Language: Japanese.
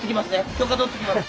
許可取ってきます。